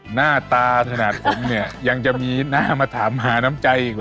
หน้าตาขนาดผมเนี่ยยังจะมีหน้ามาถามหาน้ำใจอีกเหรอ